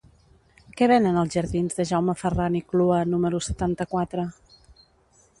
Què venen als jardins de Jaume Ferran i Clua número setanta-quatre?